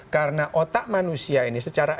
karena otak manusia ini secara